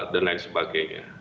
dan lain sebagainya